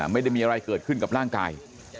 ไม่ได้มีอะไรเกิดขึ้นกับร่างกาย